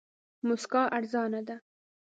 موسکا ارزانه ده.